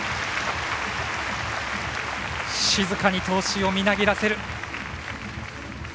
静かに闘志をみなぎらせる。